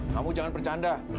kamu jangan bercanda